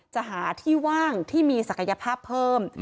จะหาที่ว่างที่มีศักยภาพเพิ่ม